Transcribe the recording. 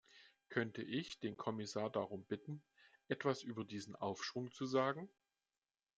Könnte ich den Kommissar darum bitten, etwas über diesen Aufschwung zu sagen?